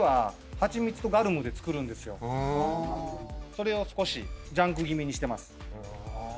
ふーんそれを少しジャンク気味にしてます